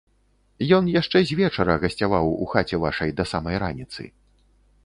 Ён яшчэ звечара гасцяваў у хаце вашай да самай раніцы.